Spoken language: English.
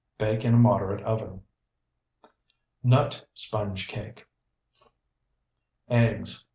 Bake in a moderate oven. NUT SPONGE CAKE Eggs, 7.